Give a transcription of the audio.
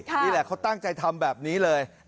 นี่แหละเขาตั้งใจทำแบบนี้เลย